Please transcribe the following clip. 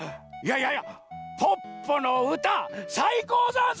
いやいやポッポのうたさいこうざんす！